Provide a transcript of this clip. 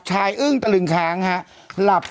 ชายอึ้งตลึงค้างครับ